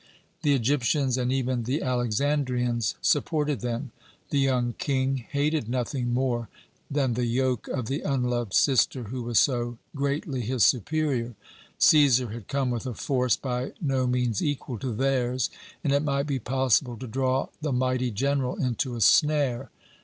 "The Egyptians and even the Alexandrians supported them. The young King hated nothing more than the yoke of the unloved sister, who was so greatly his superior. Cæsar had come with a force by no means equal to theirs, and it might be possible to draw the mighty general into a snare.